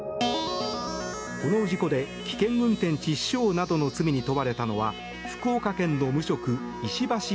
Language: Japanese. この事故で危険運転致死傷などの罪に問われたのは福岡県の無職石橋